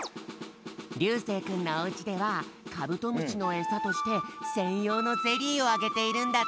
りゅうせいくんのおうちではカブトムシのえさとしてせんようのゼリーをあげているんだって。